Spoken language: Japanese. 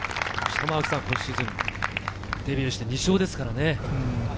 今シーズン、デビューして２勝ですからね。